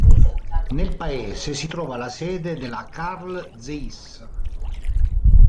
Nel paese si trova la sede della Carl Zeiss.